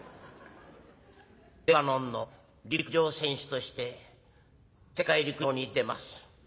レバノンの陸上選手として世界陸上に出ます。